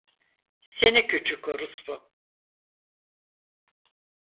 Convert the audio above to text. Seni küçük orospu!